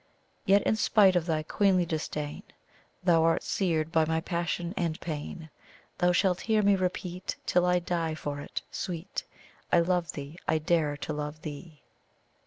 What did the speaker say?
"Yet in spite of thy queenly disdain, Thou art seared by my passion and pain; Thou shalt hear me repeat, till I die for it, sweet! 'I love thee! I dare to love THEE!'"